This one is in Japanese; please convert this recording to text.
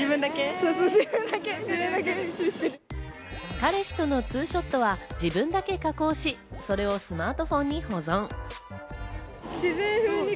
彼氏とのツーショットは自分だけ加工し、それをスマートフォンに保存。